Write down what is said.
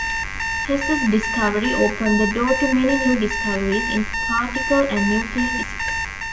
Hess's discovery opened the door to many new discoveries in particle and nuclear physics.